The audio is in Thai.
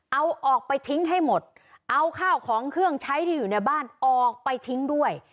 เอาออกไปทิ้งให้หมดเอาข้าวของเครื่องใช้ที่อยู่ในบ้านออกไปทิ้งด้วย